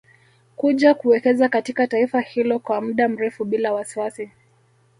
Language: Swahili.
Kuja kuwekeza katika taifa hilo kwa mda mrefu bila wasiwasi